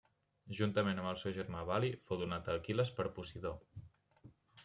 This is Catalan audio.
Juntament amb el seu germà Bali, fou donat a Aquil·les per Posidó.